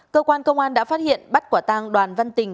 cơ quan công an đã phát hiện bắt quả tang đoàn văn tình